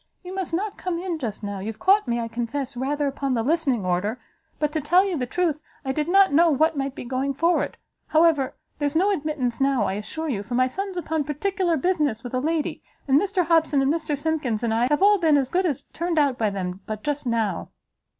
you must not come in just now; you've caught me, I confess, rather upon the listening order; but to tell you the truth, I did not know what might be going forward. However, there's no admittance now, I assure you, for my son's upon particular business with a lady, and Mr Hobson and Mr Simkins and I, have all been as good as turned out by them but just now."